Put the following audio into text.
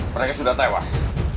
mereka sudah tewas